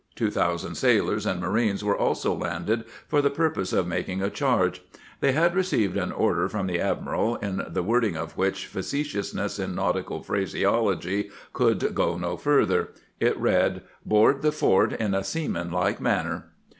Two thousand sailors and marines were also landed for the purpose of mak ing a charge. They had received an order from the ad miral, in the wording of which f acetiousness in nautical phraseology could go no further. It read :" Board the fort in a seamanlike manner."